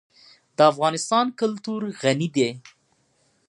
د افغانستان کلتور غني دی.